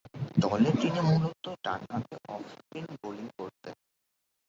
দলে তিনি মূলতঃ ডানহাতে অফ স্পিন বোলিং করতেন।